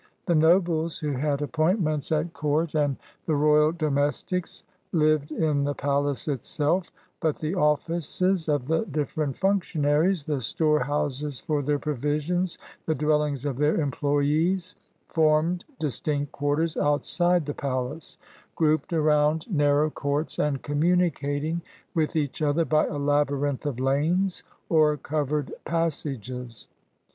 The nobles who had appointments at court and the royal domestics hved in the palace itself, but the offices of the different functionaries, the store houses for their provisions, the dwellings of their em ployees, formed distinct quarters outside the palace, grouped around narrow courts, and communicating with each other by a labyrinth of lanes or covered pas sages.